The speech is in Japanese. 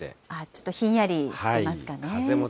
ちょっとひんやりしてますかね。